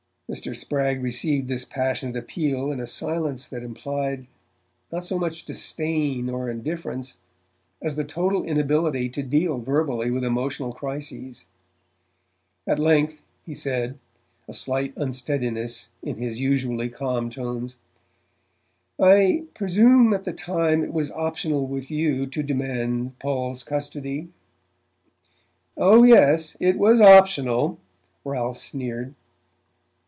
Mr. Spragg received this passionate appeal in a silence that implied not so much disdain or indifference, as the total inability to deal verbally with emotional crises. At length, he said, a slight unsteadiness in his usually calm tones: "I presume at the time it was optional with you to demand Paul's custody." "Oh, yes it was optional," Ralph sneered.